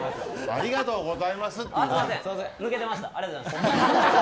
ありがとうございます。